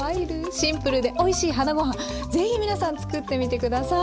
シンプルでおいしいはなゴハン是非皆さん作ってみて下さい。